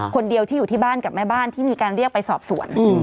คนเดียวที่อยู่ที่บ้านกับแม่บ้านที่มีการเรียกไปสอบสวน